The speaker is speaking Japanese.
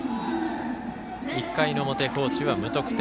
１回の表、高知は無得点。